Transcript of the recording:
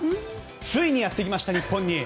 ついにやってきました、日本に！